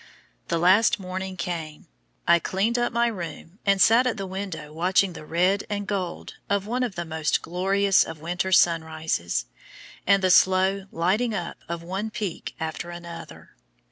The last morning came. I cleaned up my room and sat at the window watching the red and gold of one of the most glorious of winter sunrises, and the slow lighting up of one peak after another.